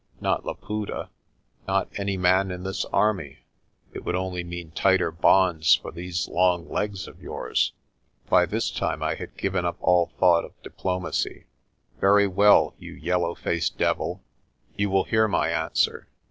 Not Laputa. Not any man in this army. It would only mean tighter bonds for these long legs of yours." By this time I had given up all thought of diplomacy. "Very well, you yellow faced devil, you will hear my an swer.